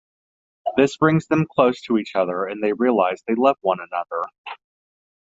This brings them close to each other and they realize they love one another.